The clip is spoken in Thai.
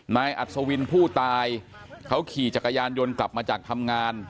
อัศวินผู้ตายเขาขี่จักรยานยนต์กลับมาจากทำงาน